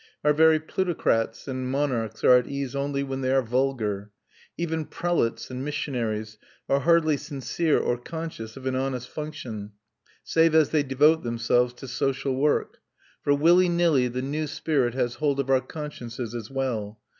Our very plutocrats and monarchs are at ease only when they are vulgar. Even prelates and missionaries are hardly sincere or conscious of an honest function, save as they devote themselves to social work; for willy nilly the new spirit has hold of our consciences as well.